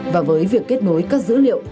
và với việc kết nối các dữ liệu